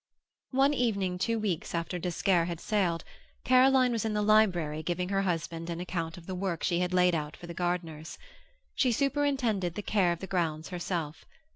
One evening two weeks after d'Esquerre had sailed, Caroline was in the library giving her husband an account of the work she had laid out for the gardeners. She superintended the care of the grounds herself.